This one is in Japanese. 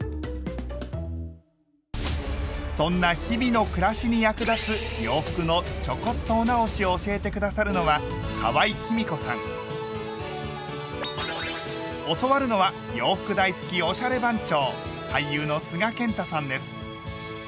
そんな日々の暮らしに役立つ洋服のちょこっとお直しを教えて下さるのは教わるのは洋服大好きおしゃれ番長！